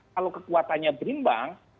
kalau kekuatannya berimbang